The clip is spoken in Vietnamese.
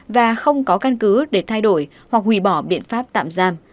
và không có căn cứ để thay đổi hoặc hủy bỏ biện pháp tạm giam